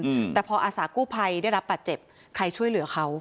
อืมแต่พออาสากู้ภัยได้รับป่าเจ็บใครช่วยเหลือเขา